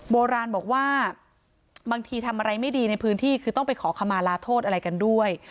โบราณบอกว่าบางทีทำอะไรไม่ดีในพื้นที่คือต้องไปขอขมาลาโทษอะไรกันด้วย